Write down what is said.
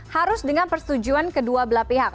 harus dengan persetujuan kedua belah pihak